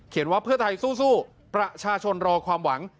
ว่าเพื่อไทยสู้ประชาชนรอความหวัง